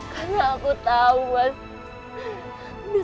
karena aku tahu mas